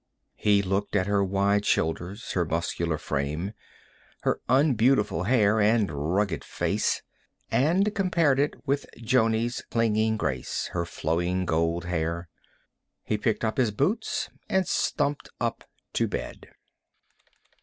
He looked at her wide shoulders, her muscular frame, her unbeautiful hair and rugged face, and compared it with Jonne's clinging grace, her flowing gold hair. He picked up his boots and stumped up to bed.